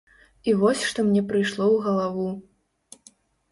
І вось што мне прыйшло ў галаву.